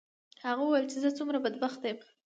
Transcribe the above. هغه وویل چې زه څومره بدبخته یم.